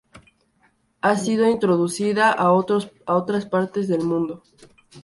Ha sido introducida a otras partes del mundo.